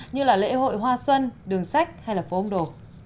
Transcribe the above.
như là lễ hội hoa xuân đường sách hay là phố úng đổ